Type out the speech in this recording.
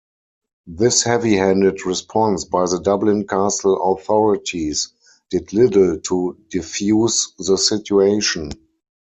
This heavy-handed response by the Dublin Castle authorities did little to defuse the situation.